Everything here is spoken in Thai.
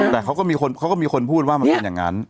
แต่เขาก็มีคนพูดว่ามันเป็นอย่างนั้น